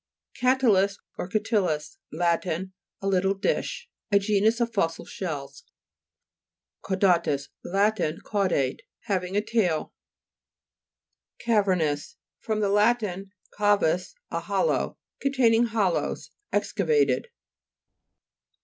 31). CA'TYIUS or CATILLUS Lat. A little dish. A genus of fossil shells (p. 74). CAUDA'TUS Lat. Caudate ; having a tail. CAVE'RSTOUS fr. lat. cavus, a hol low. Containing hollows; exca vated.